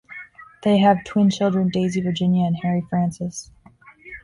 They have twin children Daisy Virginia and Harry Francis.